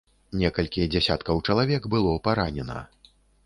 Некалькі дзесяткаў чалавек было паранена.